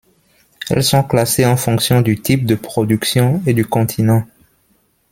Elles sont classées en fonction du type de production et du continent.